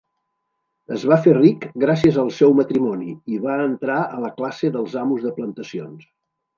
Es va fer ric gràcies al seu matrimoni i va entrar a la classe dels amos de plantacions.